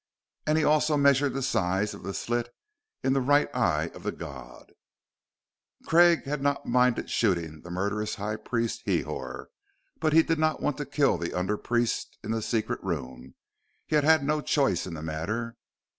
And he also measured the size of the slit in the right eye of the god.... Craig had not minded shooting the murderous High Priest Hrihor, but he did not want to kill the under priest in the secret room. He had had no choice in the matter.